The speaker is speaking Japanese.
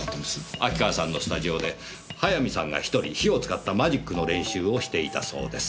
秋川さんのスタジオで早見さんが一人火を使ったマジックの練習をしていたそうです。